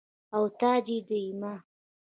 او تاج يي ديما